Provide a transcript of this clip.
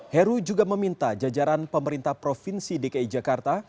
heru juga meminta jajaran pemerintah provinsi dki jakarta